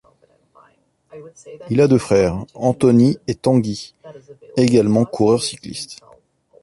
Il a deux frères, Anthony et Tanguy, également coureurs cyclistes.